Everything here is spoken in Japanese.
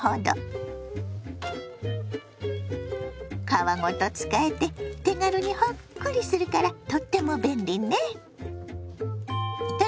皮ごと使えて手軽にほっくりするからとっても便利ね。